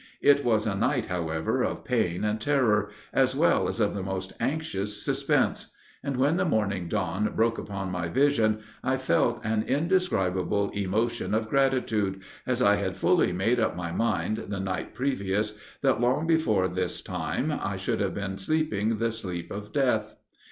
It was a night, however, of pain and terror, as well as of the most anxious suspense; and when the morning dawn broke upon my vision, I felt an indescribable emotion of gratitude, as I had fully made up my mind, the night previous, that long before this time I should have been sleeping the sleep of death.